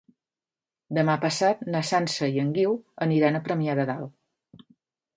Demà passat na Sança i en Guiu aniran a Premià de Dalt.